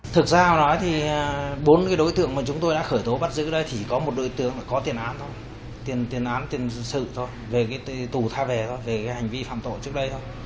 thực ra nói thì bốn đối tượng mà chúng tôi đã khởi tố bắt giữ đây thì có một đối tượng là có tiền án thôi tiền án tiền sự thôi về cái tù tha vẻ thôi về cái hành vi phạm tội trước đây thôi